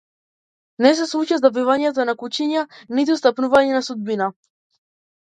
Не се слуша завивање на кучиња ниту стапување на судбина.